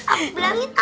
abu blangit abu